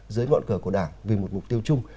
dưới ngọn cờ của đảng vì một mục tiêu chung